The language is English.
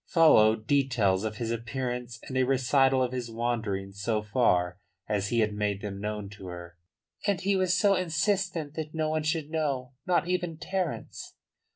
Followed details of his appearance and a recital of his wanderings so far as he had made them known to her. "And he was so insistent that no one should know, not even Terence."